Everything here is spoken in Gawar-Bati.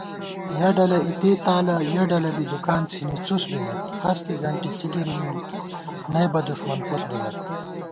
یَہ ڈلہ اِتےتالہ یَہ ڈلہ بی دُکان څِھنی څُس بِمېت * ہستےگنٹېݪی گِرِمېم نئبہ دُݭمن پُݪ بِمېت